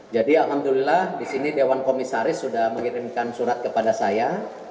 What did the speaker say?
jadi alhamdulillah di sini dewan komisaris sudah mengirimkan surat kepada saya